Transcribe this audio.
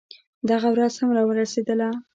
دغه ورځ هم راورسېدله.